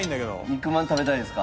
肉まん食べたいですか？